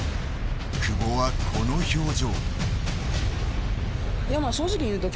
久保はこの表情。